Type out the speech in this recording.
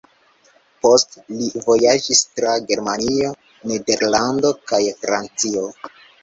Poste li vojaĝis tra Germanio, Nederlando kaj Francio.